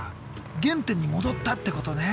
原点に戻ったってことね。